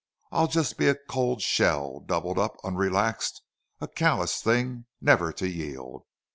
I'll just be a cold shell, doubled up, unrelaxed, a callous thing never to yield....